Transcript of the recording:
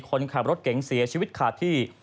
คนขับรถเก๋งเสียชีวิตขาดที่